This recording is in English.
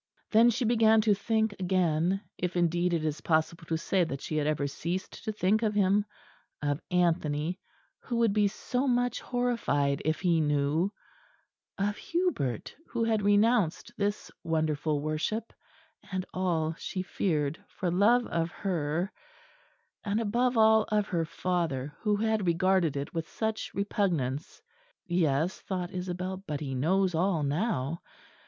Then she began to think again if indeed it is possible to say that she had ever ceased to think of him of Anthony, who would be so much horrified if he knew; of Hubert, who had renounced this wonderful worship, and all, she feared, for love of her and above all of her father, who had regarded it with such repugnance: yes, thought Isabel, but he knows all now.